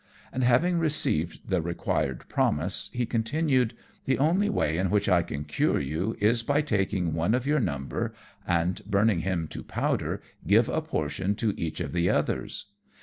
And having received the required promise, he continued: "The only way in which I can cure you is by taking one of your number, and burning him to powder, give a portion to each of the others.